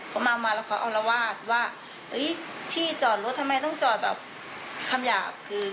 เขาเมามาแล้วเขาอารวาสว่าที่จอดรถทำไมต้องจอดแบบคำหยาบคือ